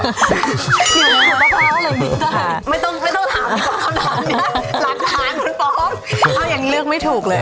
ไม่ต้องไม่ต้องถามไม่ต้องถามเนี้ยหลักฐานคุณป้องอ้าวยังเลือกไม่ถูกเลย